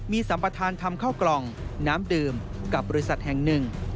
มีสัมปทานทำข้าวกล่องน้ำดื่มกับบริษัทแห่งหนึ่ง